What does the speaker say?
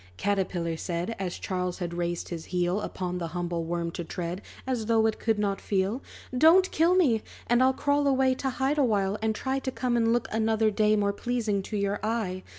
Caterpillar said, As Charles had raised his heel Upon the humble worm to tread, As though it could not feel. "Don't kill me! and I'll crawl away To hide awhile, and try To come and look, another day, More pleasing to your eye.